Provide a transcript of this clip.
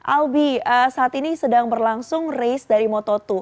albi saat ini sedang berlangsung race dari moto dua